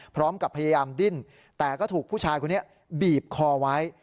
พร้อมกับพยายามดิ้นแต่ก็ถูกผู้ชายคนนี้บีบคอไว้